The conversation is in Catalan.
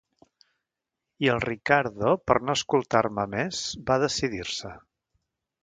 I el Riccardo, per no escoltar-me més, va decidir-se.